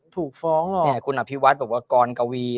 ถูกฟ้องเราร์เนี่ยคุณอะพี่วัสบอกว่ากรโกวี